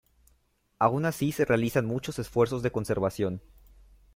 Aun así se realizan muchos esfuerzos de conservación.